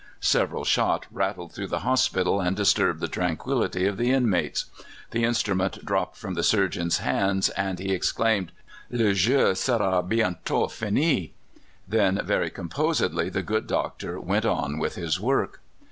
Several shot rattled through the hospital and disturbed the tranquillity of the inmates. The instrument dropped from the surgeon's hands, and he exclaimed, "Le jeu sera bientôt fini!" Then very composedly the good doctor went on with his work.